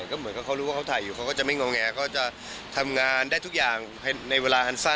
ก็เหมือนเขารู้ว่าทายอยู่เขาก็จะไม่เงาแง